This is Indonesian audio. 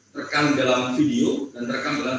terekam dalam video dan terekam dalam